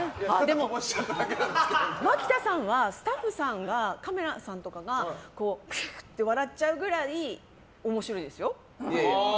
でも、マキタさんはスタッフさんがカメラさんとかがふふって笑っちゃうくらい面白いですよ。